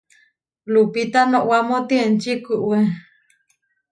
Lupita noʼwámoti enči kúʼwe.